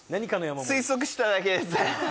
推測しただけです